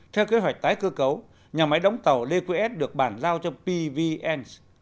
theo kế hoạch tái cơ cấu nhà máy đóng tàu dqs được bản giao cho pvns